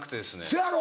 せやろ。